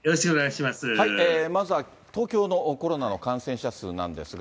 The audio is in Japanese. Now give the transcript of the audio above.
まずは東京のコロナの感染者数なんですが。